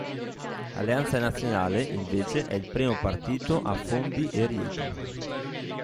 Alleanza Nazionale, invece, è il primo partito a Fondi e Rieti.